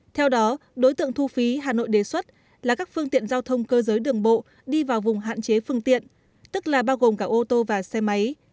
theo đó đối tượng thu phí hà nội đề xuất là các phương tiện giao thông cơ giới đường bộ đi vào vùng hạn chế phương tiện tức là bao gồm cả ô tô và xe máy